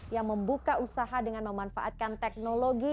yang membuka usaha dengan memanfaatkan teknologi